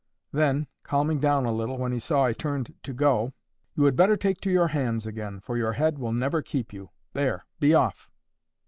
Then, calming down a little when he saw I turned to go, 'You had better take to your hands again, for your head will never keep you. There, be off!